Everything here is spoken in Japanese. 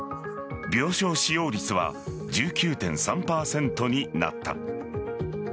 病床使用率は１９．３％になった。